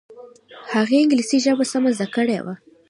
هغې انګلیسي ژبه سمه زده کړې وه